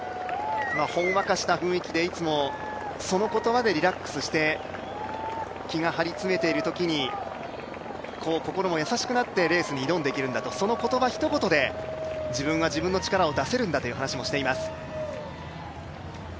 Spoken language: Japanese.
ほんわかした雰囲気でいつも、その言葉でリラックスして気が張り詰めているときに心も優しくなってレースに挑んでいけるんだとその言葉ひと言で自分は自分の力を出せるんだという話もしています。